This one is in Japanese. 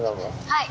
はい。